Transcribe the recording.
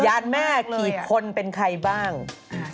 ย้านแม่กี่คนเป็นใครบ้างเลิศมากเลย